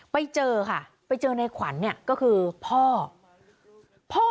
ไปเจอค่ะไปเจอในขวัญเนี่ยก็คือพ่อพ่อ